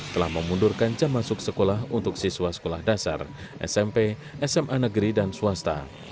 telah memundurkan jam masuk sekolah untuk siswa sekolah dasar smp sma negeri dan swasta